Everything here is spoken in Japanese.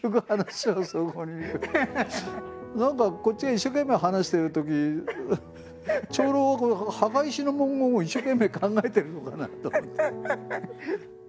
何かこっちが一生懸命話してるとき長老は墓石の文言を一生懸命考えてるのかなと思って。